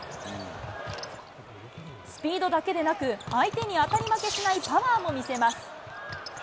スピードだけでなく、相手に当たり負けしないパワーも見せます。